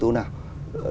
điều tính toán